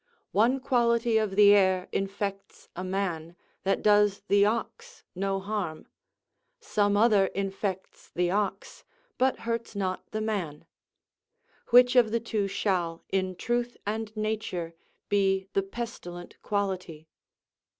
One quality of the air infects a man, that does the ox no harm; some other infects the ox, but hurts not the man. Which of the two shall, in truth and nature, be the pestilent quality?